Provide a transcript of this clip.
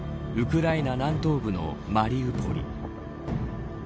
ウクライナ南東部のマリウポリ。